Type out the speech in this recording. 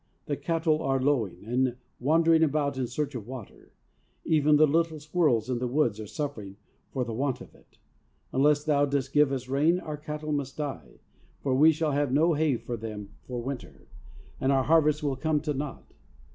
The cattle are lowing and wandering about in search of water. Even the little squirrels in the woods are suffering for the want of it. Unless Thou dost give us rain our cattle must die, for we shall have no hay for them for winter ; and our HOLINESS AND PRAYER 87 harvests will come to naught.